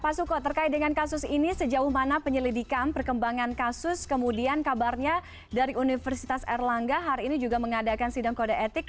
pak suko terkait dengan kasus ini sejauh mana penyelidikan perkembangan kasus kemudian kabarnya dari universitas erlangga hari ini juga mengadakan sidang kode etik